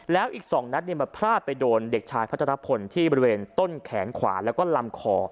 แล้วอีก๒นัดมาพลาดไปโดนเด็กชายพัชรพลที่บริเวณต้นแขนขวาแล้วก็ลำคอ